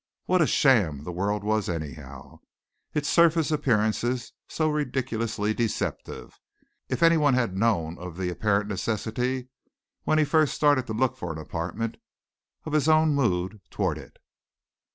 What a sham the world was anyhow. It's surface appearances so ridiculously deceptive! If anyone had known of the apparent necessity when he first started to look for an apartment, of his own mood toward it!